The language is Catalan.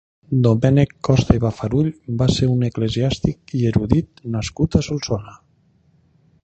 Domènec Costa i Bafarull va ser un eclesiàstic i erudit nascut a Solsona.